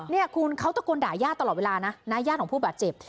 นี่คุณเขาตะโกนด่ายาดตลอดเวลานะญาติของผู้บาดเจ็บ